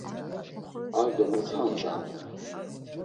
Ar do mutxan da!